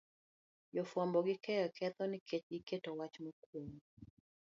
Jofuambo gi keyo ketho nikech giketo wach makwongo